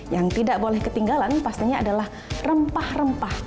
yang tidak boleh ketinggalan pastinya adalah rempah rempah